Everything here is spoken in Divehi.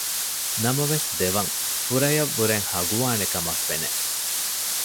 ނަމަވެސް ދެވަން ފުރަޔަށް ވުރެ ހަގުވާނެކަމަށް ފެނެ